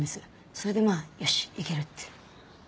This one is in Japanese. それでまあよしいける！って。